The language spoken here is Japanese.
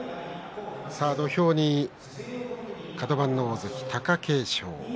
土俵にカド番の大関貴景勝